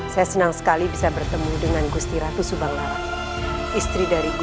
saya senang sekali bisa bertemu dengan gusti ratu subanglarak